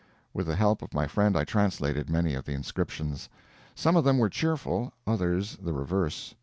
With the help of my friend I translated many of the inscriptions. Some of them were cheerful, others the reverse.